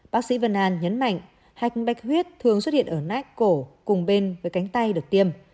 bác sĩ vân an nhấn mạnh hạch bạch huyết thường xuất hiện ở nát cổ cùng bên với cánh tay được tiêm